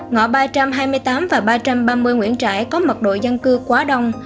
ngõ ba trăm hai mươi tám và ba trăm ba mươi nguyễn trãi có mật độ dân cư quá đông